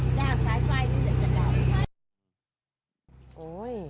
ใช่สายไฟนี้แหละก็เหล่า